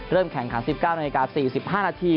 เริ่มแข่งขัน๑๙น๔๑๕น